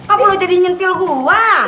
apa lo jadi nyentil gua